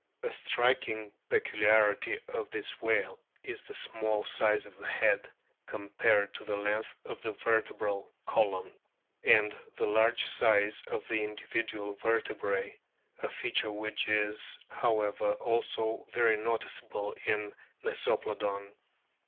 A striking peculiarity of this whale is the small size of the head compared to the length of the verte bral column, and the large size of the individual vertebrae, a feature which is, however, also very noticeable in Mesoplodon.